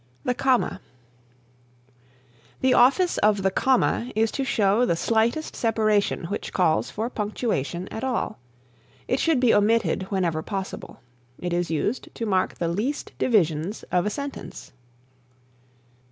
The Comma: The office of the Comma is to show the slightest separation which calls for punctuation at all. It should be omitted whenever possible. It is used to mark the least divisions of a sentence.